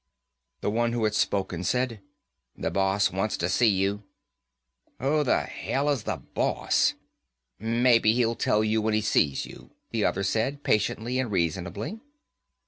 The one who had spoken said, "The boss wants to see you." "Who the hell is the boss?" "Maybe he'll tell you when he sees you," the other said, patiently and reasonably.